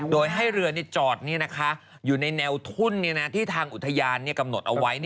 โดยให้เรือจอดอยู่ในแนวทุ่นที่ทางอุทยานกำหนดเอาไว้